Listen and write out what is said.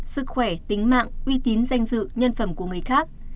sức khỏe tính mạng uy tín danh dự nhân phẩm của người khác